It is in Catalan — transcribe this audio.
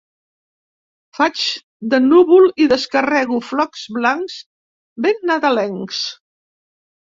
Faig de núvol i descarrego flocs blancs ben nadalencs.